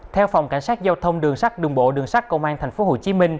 theo phòng cảnh sát giao thông đường sắt đùng bộ đường sắt công an tp hcm